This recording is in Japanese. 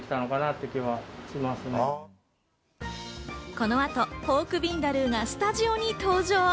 この後、ポークビンダルーがスタジオに登場。